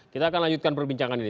kita akan lanjutkan perbincangan ini